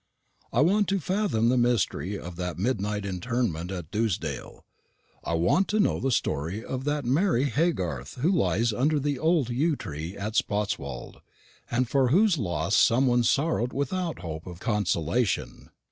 I want to fathom the mystery of that midnight interment at Dewsdale; I want to know the story of that Mary Haygarth who lies under the old yew tree at Spotswold, and for whose loss some one sorrowed without hope of consolation.